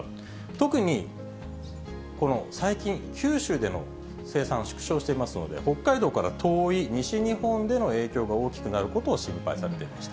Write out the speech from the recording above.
特に最近、九州での生産、縮小していますので、北海道から遠い西日本での影響が大きくなることを心配されていました。